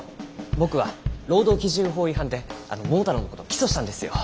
僕は労働基準法違反で桃太郎の事を起訴したんですよ。